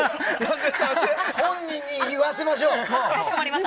本人に言わせましょう。